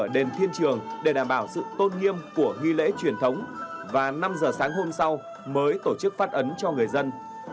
để đảm bảo sự tôn nghiêm của ghi lễ truyền thống và năm giờ sáng hôm sau mới tổ chức phát ấn cho người dân